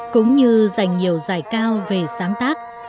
cũng như dành nhiều giải cao về sáng tác